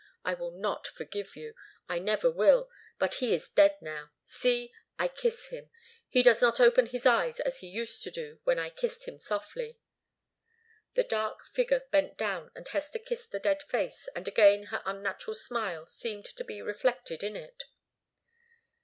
I will not forgive you. I never will. But he is dead now. See! I kiss him. He does not open his eyes as he used to do when I kissed him softly." The dark figure bent down and Hester kissed the dead face, and again her unnatural smile seemed to be reflected in it.